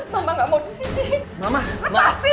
mama nggak mau di sini